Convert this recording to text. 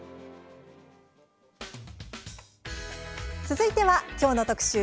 続いては、きょうの特集